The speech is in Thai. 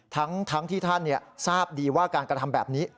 ทั้งที่ท่านทราบดีว่าการกระทำแบบนี้